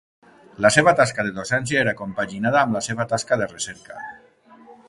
La seva tasca de docència era compaginada amb la seva tasca de recerca.